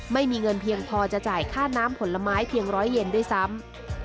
ไม่มีเงินเพียงพอจะจ่ายค่าน้ำผลไม้เพียงร้อยเย็นด้วยซ้ำ